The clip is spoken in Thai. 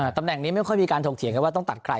ตำแหน่งนี้ไม่ค่อยมีการถกเถียงกันว่าต้องตัดใคร